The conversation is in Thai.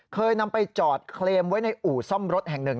เคยนำไปจอดเคลมไว้ในอู่ซ่อมรถแห่งหนึ่ง